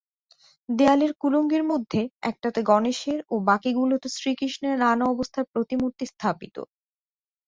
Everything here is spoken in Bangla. দেয়ালের কুলঙ্গির মধ্যে একটাতে গণেশের ও বাকিগুলিতে শ্রীকৃষ্ণের নানা অবস্থার প্রতিমূর্তি স্থাপিত।